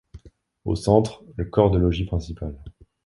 Au centre, le corps de logis principal.